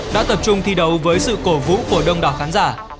đã tập trung thi đấu với sự cổ vũ của đông đảo khán giả